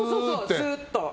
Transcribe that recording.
スーっと。